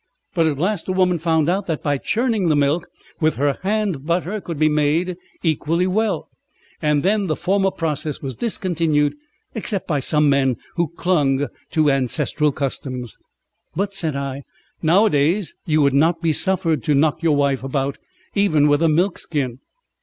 But at last a woman found out that by churning the milk with her hand butter could be made equally well, and then the former process was discontinued except by some men who clung to ancestral customs." "But," said I, "nowadays you would not be suffered to knock your wife about, even with a milk skin."